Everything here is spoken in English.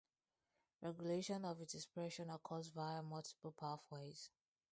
Regulation of its expression occurs via multiple pathways.